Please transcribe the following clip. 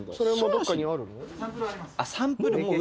どっかにあるの？